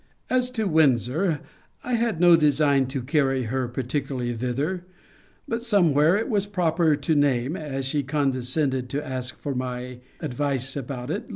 As to Windsor, I had no design to carry her particularly thither: but somewhere it was proper to name, as she condescended to ask my advice about it.